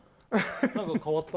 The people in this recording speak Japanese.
何か変わった？